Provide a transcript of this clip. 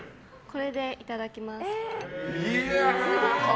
これでいただきます。